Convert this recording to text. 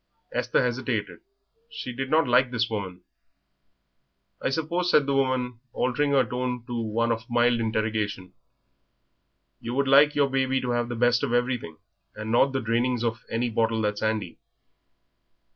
Esther hesitated; she did not like this woman. "I suppose," said the woman, altering her tone to one of mild interrogation, "you would like your baby to have the best of everything, and not the drainings of any bottle that's handy?"